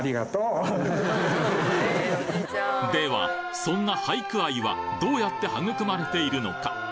ではそんな俳句愛はどうやって育まれているのか？